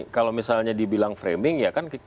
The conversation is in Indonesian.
kalau misalnya dibilang framing ya kan